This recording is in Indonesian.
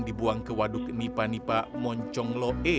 dibuang ke waduk nipa nipa moncongloe